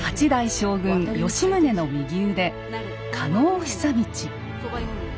将軍吉宗の右腕加納久通。